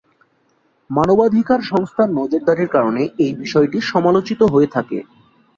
মানবাধিকার সংস্থার নজরদারির কারণে এই বিষয়টি সমালোচিত হয়ে থাকে।